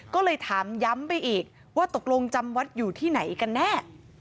ก็เลยถามย้ำไปอีกว่าตกลงจำวัดอยู่ที่ไหนกันแน่